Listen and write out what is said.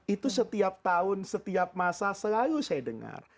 itu setiap tahun setiap masa selalu saya dengar